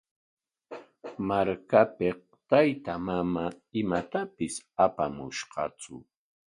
Markapik taytaa manam imatapis apamushqatsu.